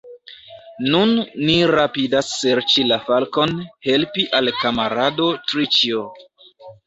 Nun ni rapidas serĉi la falkon, helpi al kamarado Triĉjo.